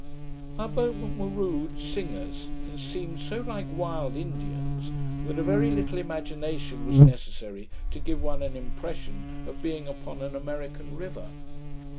Our boatmen were rude singers, and seemed so like wild Indians, that a very little imagination was necessary to give one an impression of being upon an American river.